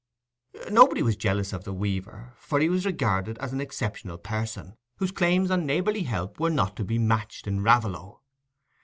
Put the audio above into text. Nobody was jealous of the weaver, for he was regarded as an exceptional person, whose claims on neighbourly help were not to be matched in Raveloe.